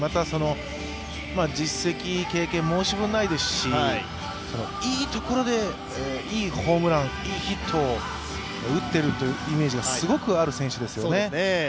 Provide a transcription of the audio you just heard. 実績、経験、申し分ないですし、いいところでいいホームラン、いいヒットを打っているイメージがすごくある選手ですよね。